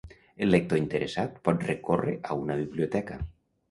El lector interessat pot recórrer a una biblioteca.